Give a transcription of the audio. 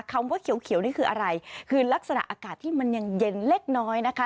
คำว่าเขียวนี่คืออะไรคือลักษณะอากาศที่มันยังเย็นเล็กน้อยนะคะ